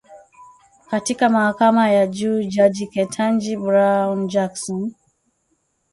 katika mahakama ya juu jaji Ketanji Brown Jackson